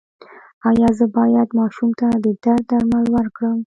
ایا زه باید ماشوم ته د درد درمل ورکړم؟